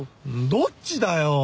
どっちだよ。